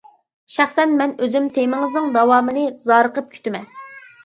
شەخسەن مەن ئۆزۈم تېمىڭىزنىڭ داۋامىنى زارىقىپ كۈتىمەن.